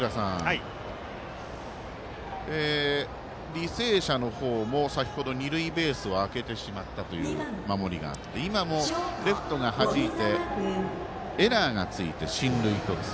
履正社の方も先ほど二塁ベースをあけてしまったという守りがあって、今もレフトがはじいてエラーがついて進塁１つ。